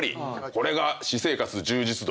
これが私生活充実度